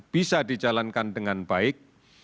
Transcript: bisa dijalankan dengan baik